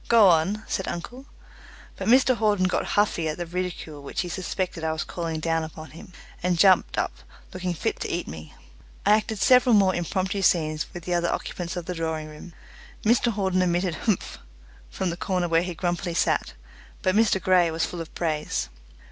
"Go on," said uncle. But Mr Hawden got huffy at the ridicule which he suspected I was calling down upon him, and jumped up looking fit to eat me. I acted several more impromptu scenes with the other occupants of the drawing room. Mr Hawden emitted "Humph!" from the corner where he grumpily sat, but Mr Grey was full of praise.